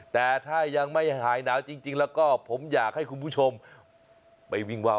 แต่ถ้ายังไม่หายหนาวจริงแล้วก็ผมอยากให้คุณผู้ชมไปวิ่งว่าว